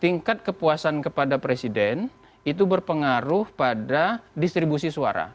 tingkat kepuasan kepada presiden itu berpengaruh pada distribusi suara